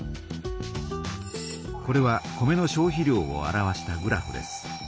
これは米の消費量を表したグラフです。